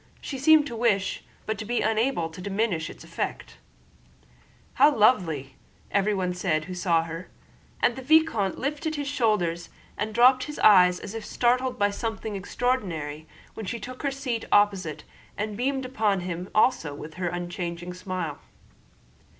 She seemed to wish, but to be unable, to diminish its effect. "How lovely!" said everyone who saw her; and the vicomte lifted his shoulders and dropped his eyes as if startled by something extraordinary when she took her seat opposite and beamed upon him also with her unchanging smile.